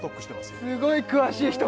すごい詳しい人